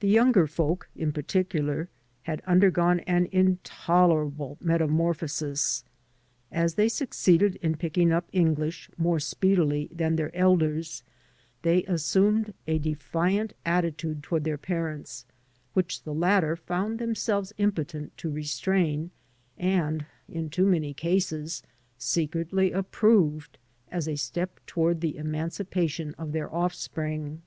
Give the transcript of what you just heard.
The younger folk, in particular, had undergone an intolerable metamorphosis. As they succeeded in pick ing up English more speedily than their elders, they 79 AN AMERICAN IN THE MAKING assumed a defiant attitude toward their parents, which the latter found themselves impotent to restrain and, in too many cases, secretly approved as a step toward the emancipation of their oflfspring.